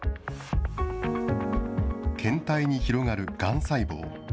検体に広がるがん細胞。